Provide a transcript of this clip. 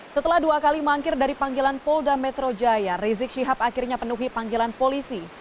setelah dua kali mangkir dari panggilan polda metro jaya rizik syihab akhirnya penuhi panggilan polisi